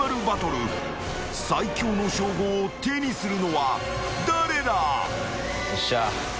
［「最強」の称号を手にするのは誰だ？］